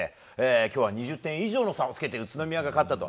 今日は２０点以上の差をつけて宇都宮が勝ったと。